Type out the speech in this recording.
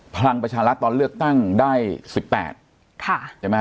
พลังประชารัฐตอนเลือกตั้งได้๑๘ใช่ไหม